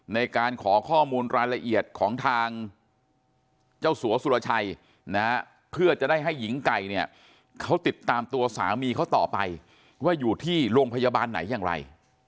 ในการขอข้อมูลรายละเอียดของทางเจ้าสัวสุรชัยนะเพื่อจะได้ให้หญิงไก่เนี่ยเขาติดตามตัวสามีเขาต่อไปว่าอยู่ที่โรงพยาบาลไหนอย่างไร